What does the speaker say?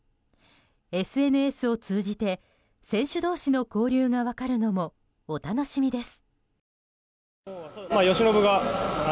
ＳＮＳを通じて選手同士の交流が分かるのもお楽しみです。